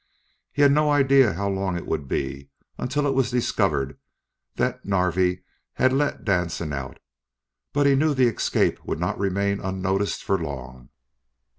He had no idea how long it would be until it was discovered that Narvi had let Danson out, but he knew the escape would not remain unnoticed for long.